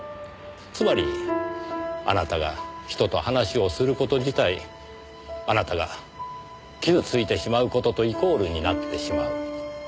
つまりあなたが人と話をする事自体あなたが傷ついてしまう事とイコールになってしまう。